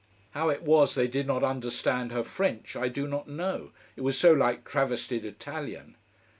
How it was they did not understand her French I do not know, it was so like travestied Italian.